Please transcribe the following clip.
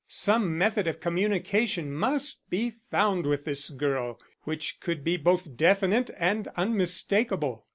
Some method of communication must be found with this girl, which could be both definite and unmistakable.